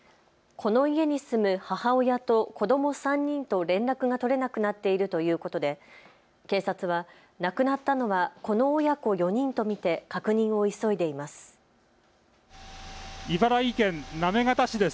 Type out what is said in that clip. この家に住む母親と子ども３人と連絡が取れなくなっているということで警察は亡くなったのはこの親子４人と見て確認を急いでいます。